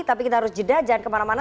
tapi kita harus jeda jangan kemana mana